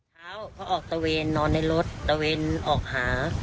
เช้าเขาออกตะเวนนอนในรถตะเวนออกหา